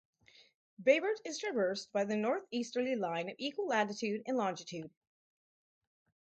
Bayburt is traversed by the northeasterly line of equal latitude and longitude.